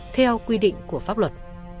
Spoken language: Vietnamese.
theo quy định của pháp luật